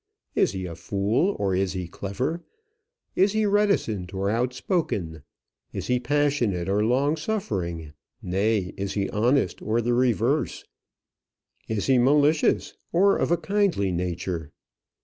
Is he a fool, or is he clever; is he reticent or outspoken; is he passionate or long suffering; nay, is he honest or the reverse; is he malicious or of a kindly nature?